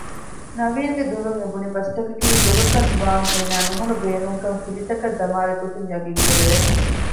ނަޥީންގެ ދުލުން އެބުނިބަސްތަކަކީ ދޮގަކަށްވާން އޭނާ ނުހަނު ބޭނުންކަން ފިލިތަކަށް ދަމާލިގޮތުން ޔަގީންކުރެވެ